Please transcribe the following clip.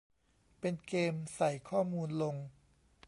เป็นเกมส์ใส่ข้อมูลลง